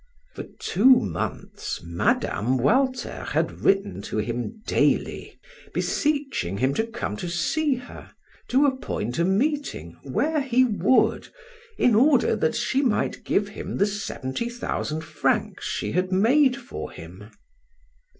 For two months Mme. Walter had written to him daily, beseeching him to come to see her, to appoint a meeting where he would, in order that she might give him the seventy thousand francs she had made for him.